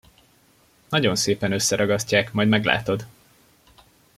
Nagyon szépen összeragasztják, majd meglátod!